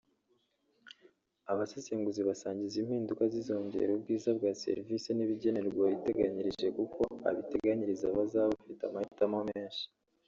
Abasesenguzi basanga izi mpinduka zizongera ubwiza bwa serivisi n’ibigenerwa uwiteganyirije kuko abiteganyiriza bazaba bafite amahitamo menshi